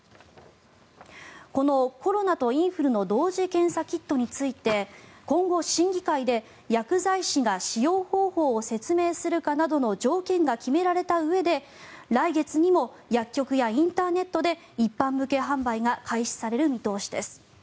このコロナとインフルの同時検査キットについて今後、審議会で薬剤師が使用方法を説明するかなどの条件が決められたうえで来月にも薬局やインターネットで一般向け販売が開始される見通しです。